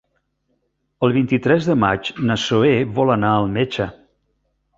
El vint-i-tres de maig na Zoè vol anar al metge.